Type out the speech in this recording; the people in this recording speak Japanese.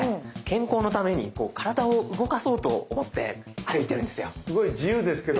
健康のためにこう体を動かそうと思って歩いてるんですよ。